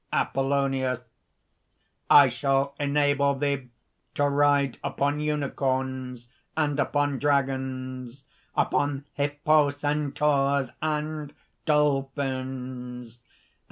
APOLLONIUS. "I shall enable thee to ride upon unicorns and upon dragons, upon hippocentaurs and dolphins!"